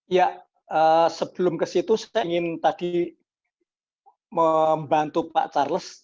ya sebelum ke situ saya ingin tadi membantu pak charles